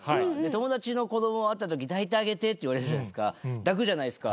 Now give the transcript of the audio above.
友達の子ども会った時。って言われるじゃないですか抱くじゃないですか。